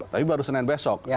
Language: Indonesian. tapi baru senin besok